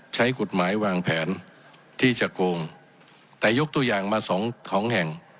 ใช้กฎหมายวางแผนที่จะโกงแต่ยกตัวอย่างมาสองของแห่ง